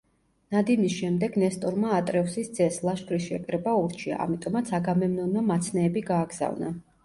ნადიმის შემდეგ ნესტორმა ატრევსის ძეს, ლაშქრის შეკრება ურჩია, ამიტომაც აგამემნონმა მაცნეები გააგზავნა.